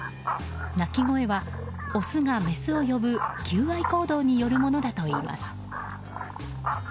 鳴き声はオスがメスを呼ぶ求愛行動によるものだといいます。